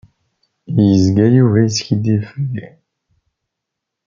Yezga Yuba yeskidib fell-i.